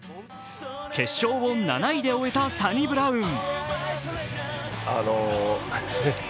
決勝を７位で終えたサニブラウン。